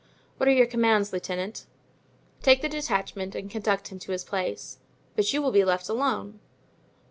"What are your commands, lieutenant?" "Take the detachment and conduct him to his place." "But you will be left alone?"